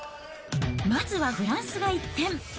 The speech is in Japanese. まずはフランスが１点。